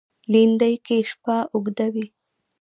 لېندۍ کې شپه اوږده وي.